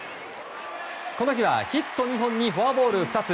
この日は、ヒット２本にフォアボール２つ。